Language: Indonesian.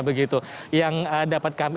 begitu yang dapat kami